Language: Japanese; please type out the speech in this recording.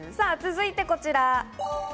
続いてこちら！